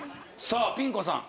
さあピン子さん。